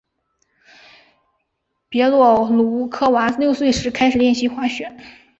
别洛鲁科娃六岁时开始练习滑雪。